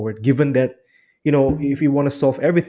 karena jika anda ingin menangani segalanya